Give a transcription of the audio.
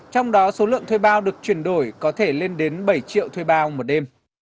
trong đó số lượng thuê bao được chuyển đổi có thể lên đến bảy triệu thuê bao một đêm